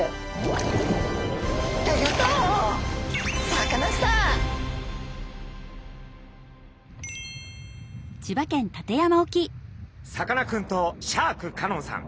さかなクンとシャーク香音さん